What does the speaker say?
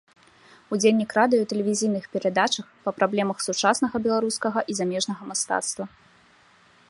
Удзельнік радыё і тэлевізійных перадачах па праблемах сучаснага беларускага і замежнага мастацтва.